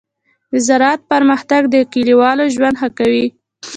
د زراعت پرمختګ د کليوالو ژوند ښه کوي.